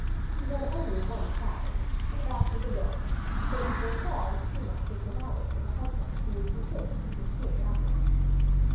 He had only one child, and that was a daughter, so he foresaw that she must be provided with a husband who would be fit to be king after him.